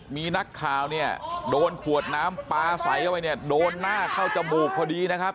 มีนักข่าวเนี่ยโดนขวดน้ำปลาใสเข้าไปเนี่ยโดนหน้าเข้าจมูกพอดีนะครับ